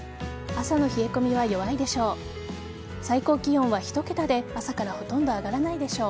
朝の冷え込みは弱いでしょう。